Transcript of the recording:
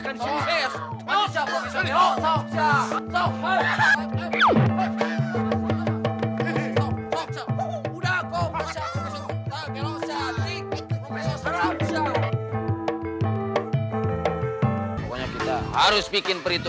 kan istrinya kayak turunan ular begitu